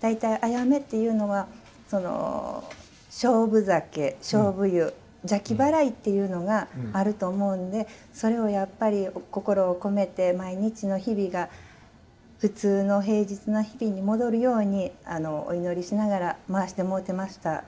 大体菖蒲っていうのは菖蒲酒菖蒲湯邪気払いっていうのがあると思うんでそれをやっぱり心を込めて毎日の日々が普通の平日の日々に戻るようにお祈りしながら舞わしてもろてました。